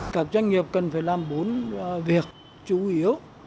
các doanh nghiệp cần phải làm bốn việc chủ yếu